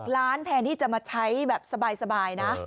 ล้านแทนที่จะมาใช้แบบสบายนะ